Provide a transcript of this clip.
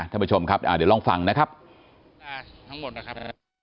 ท่านผู้ชมครับอ่าเดี๋ยวลองฟังนะครับทั้งหมดนะครับ